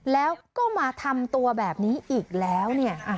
แล้วก็มาทำตัวแบบนี้อีกแล้วเนี่ย